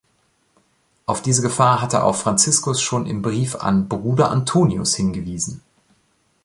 Auf diese Gefahr hatte auch Franziskus schon im "Brief an Bruder Antonius" hingewiesen.